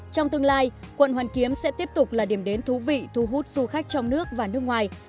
trong tương lai quận hoàn kiếm sẽ tiếp tục là điểm đến thú vị thu hút du khách trong nước và nước ngoài